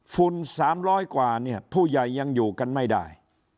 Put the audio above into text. ฝุ่น๓๐๐กว่าเนี่ยผู้ใหญ่ยังอยู่กันไม่ได้